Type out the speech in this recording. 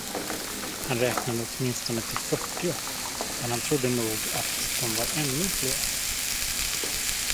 Han räknade åtminstone till fyrtio men han trodde nog att de var ännu fler.